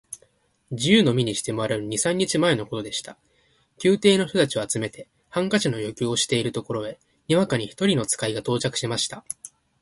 自由の身にしてもらえる二三日前のことでした。宮廷の人たちを集めて、ハンカチの余興をしているところへ、にわかに一人の使が到着しました。